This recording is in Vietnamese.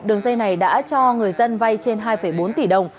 đường dây này đã cho người dân vay trên hai bốn tỷ đồng